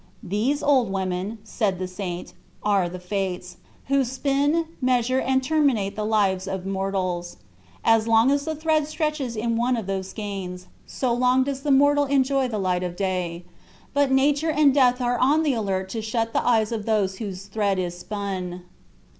"These old women," said the saint, "are the Fates, who spin, measure, and terminate the lives of mortals. As long as the thread stretches in one of those skeins, so long does the mortal enjoy the light of day; but nature and death are on the alert to shut the eyes of those whose thread is spun."